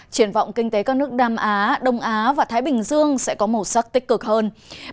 triển vọng kinh tế các nước nam á đông á và thái bình dương sẽ có màu sắc tích cực hơn